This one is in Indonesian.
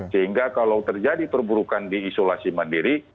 sehingga kalau terjadi perburukan di isolasi mandiri